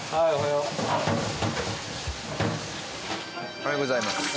おはようございます。